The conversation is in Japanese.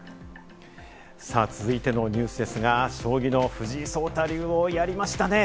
続いてのニュースですが、将棋の藤井聡太竜王、やりましたね！